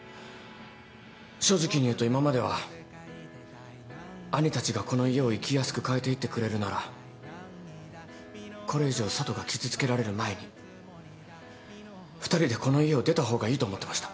正直に言うと今までは兄たちがこの家を生きやすく変えていってくれるならこれ以上佐都が傷つけられる前に２人でこの家を出た方がいいと思ってました。